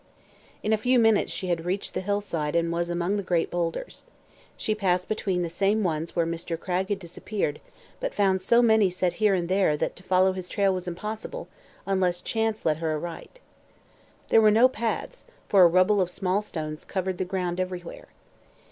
In a few minutes she had reached the hillside and was among the great boulders. She passed between the same ones where Mr. Cragg had disappeared but found so many set here and there that to follow his trail was impossible unless chance led her aright. There were no paths, for a rubble of small stones covered the ground everywhere.